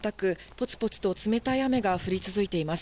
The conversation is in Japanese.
ぽつぽつと冷たい雨が降り続いています。